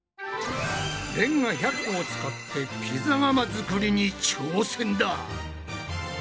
レンガ１００個を使ってピザ窯作りに挑戦だ！